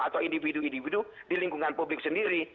atau individu individu di lingkungan publik sendiri